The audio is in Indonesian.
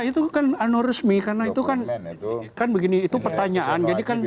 itu kan anoresmi karena itu pertanyaan